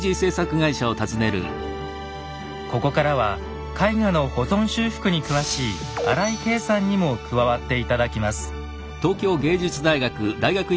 ここからは絵画の保存修復に詳しい荒井経さんにも加わって頂きます。